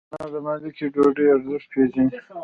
انا د مالګې ډوډۍ ارزښت پېژني